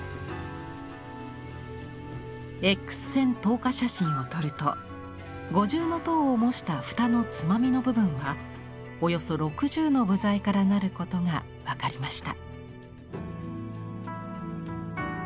Ｘ線透過写真を撮ると五重塔を模した蓋のつまみの部分はおよそ６０の部材からなることが分かりました。